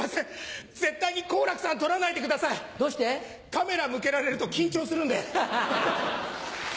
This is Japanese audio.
カメラ向けられると緊張するんで。